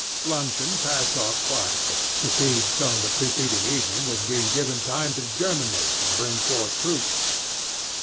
Luncheon passed off quietly. The seed sown the preceding evening was being given time to germinate and bring forth fruit.